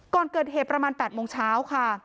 ก่อนเกิดเหตุประมาณ๘โมงเช้าค่ะ